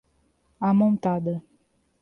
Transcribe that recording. Amontada